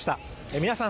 皆さん